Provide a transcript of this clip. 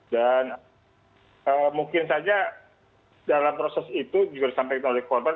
dan mungkin saja dalam proses itu juga disampaikan oleh korban